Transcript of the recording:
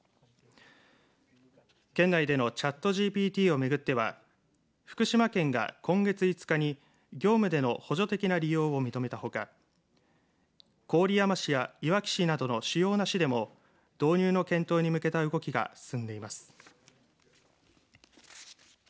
県内でのチャットＧＰＴを巡っては福島県が今月５日に業務での補助的な利用を認めたほか郡山市やいわき市などの主要な市でも導入の検討に向けた動きが進んでいます。